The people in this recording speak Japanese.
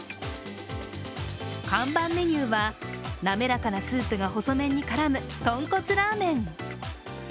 看板メニューは、滑らかなスープが細麺に絡むとんこつラーメン。